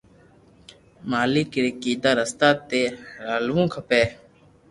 مالڪ ري ڪيدا رستہ تو ھالوُ کپي